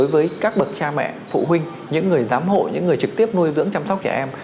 với các bậc cha mẹ phụ huynh những người giám hộ những người trực tiếp nuôi dưỡng chăm sóc trẻ em